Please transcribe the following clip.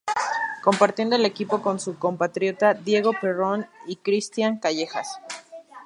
Compartiendo el equipo con su compatriota Diego Perrone y Christian Callejas.